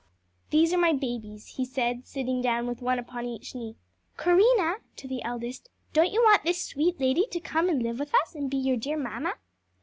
"These are my babies," he said, sitting down with one upon each knee. "Corinna," to the eldest, "don't you want this sweet lady to come and live with us and be your dear mamma?"